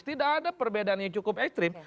tidak ada perbedaan yang cukup ekstrim